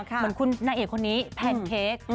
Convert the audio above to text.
เหมือนคุณนางเอกคนนี้แพนเค้ก